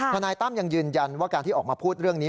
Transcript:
นายตั้มยังยืนยันว่าการที่ออกมาพูดเรื่องนี้